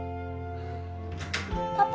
パパ？